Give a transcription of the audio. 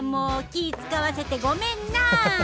気使わせてごめんなあ！